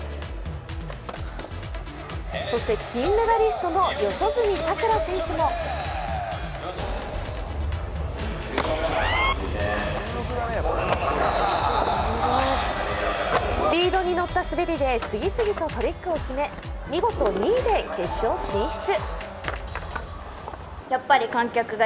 そして金メダリストの四十住さくら選手もスピードに乗った滑りで次々とトリックを決め見事、２位で決勝進出。